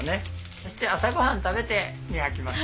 そして朝ごはん食べて磨きます。